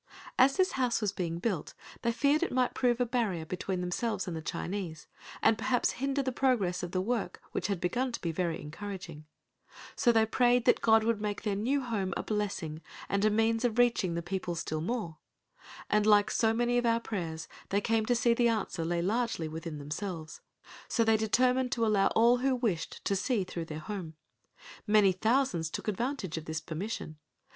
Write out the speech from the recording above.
As this house was being built they feared it might prove a barrier between themselves and the Chinese, and perhaps hinder the progress of the work which had begun to be very encouraging, so they prayed that God would make their new home a blessing and a means of reaching the people still more, and like so many of our prayers they came to see the answer lay largely with themselves—so they determined to allow all who wished, to see through their home. Many thousands took advantage of this permission.